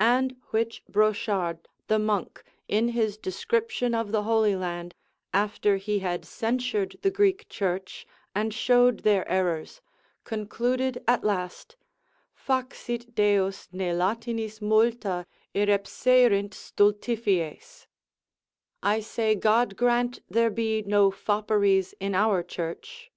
And which Brochard, the monk, in his description of the Holy Land, after he had censured the Greek church, and showed their errors, concluded at last, Faxit Deus ne Latinis multa irrepserint stultifies, I say God grant there be no fopperies in our church.